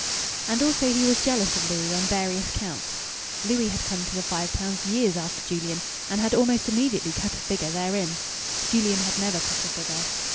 And also he was jealous of Louis on various counts. Louis had come to the Five Towns years after Julian, and had almost immediately cut a figure therein; Julian had never cut a figure.